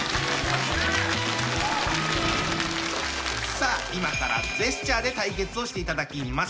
さあ今からジェスチャーで対決をしていただきます。